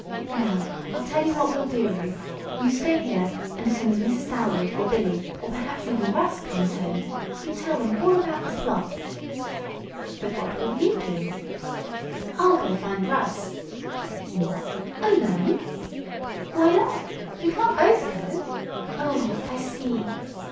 "Now I'll tell you what we'll do, Ruth. You stay here and as soon as Mrs. Dalwood, or Billy, or perhaps even Russ comes home, you tell them all about this plot." "But what will you do?" "I'll go find Russ." "What! Alone?" "Why not? We can't both go. Oh, I see!"